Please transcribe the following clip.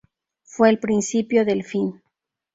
Fue el principio del fin.